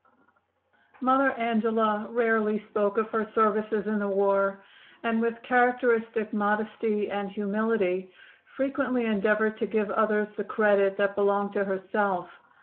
Mother Angela rarely spoke of her services in the war, and with characteristic modesty and humility frequently endeavored to give others the credit that belonged to herself.